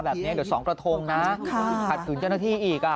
เดี๋ยวสองกระทงนะกระตูนเจ้าหน้าที่อีก